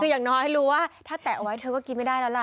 คืออย่างน้อยให้รู้ว่าถ้าแตะเอาไว้เธอก็กินไม่ได้แล้วล่ะ